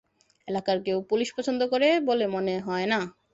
এখানকার কেউ পুলিশ পছন্দ করে বলে মনে হয় না।